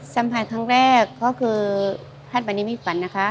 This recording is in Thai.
สัมผัสครั้งแรกก็คือท่านวันนี้ไม่ฝันนะคะ